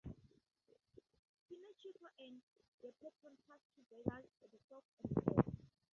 Pinocchio and Geppetto pass two beggars: the Fox and the Cat.